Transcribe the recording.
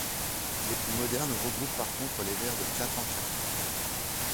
Les plus modernes regroupent par contre les vers de quatre en quatre.